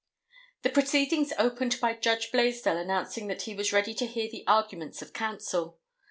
The proceedings opened by Judge Blaisdell announcing that he was ready to hear the arguments of counsel.